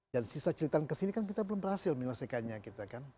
dan sisa cililitan kesini kan kita belum berhasil menyelesaikannya gitu kan